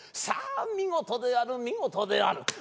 さぁ見事である見事である。